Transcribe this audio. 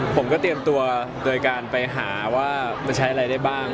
ผมก็เตรียมตัวโดยการไปหาว่ามันใช้อะไรได้บ้าง